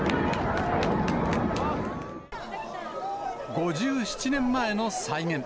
５７年前の再現。